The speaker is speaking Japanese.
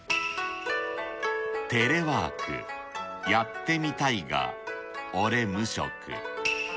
テレワークやってみたいが俺無職。